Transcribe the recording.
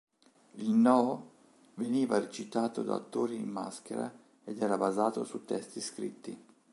Il nō veniva recitato da attori in maschera ed era basato su testi scritti.